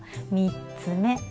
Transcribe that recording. ３つ目。